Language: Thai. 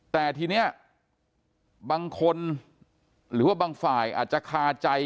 แต่ทีนี้บางคนหรือว่าบางฝ่ายอาจจะคาใจ